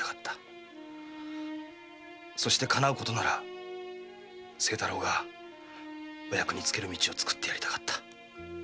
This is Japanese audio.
そして叶うことなら清太郎がお役に就ける道を作ってやりたかった。